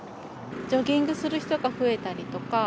ジョギングする人が増えたりとか。